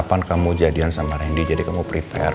kapan kamu jadian sama randy jadi kamu prepare